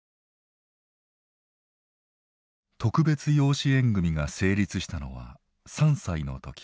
特別養子縁組が成立したのは３歳の時。